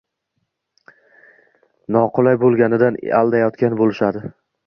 slida noqulay boʻlganidan aldayotgan boʻlishadi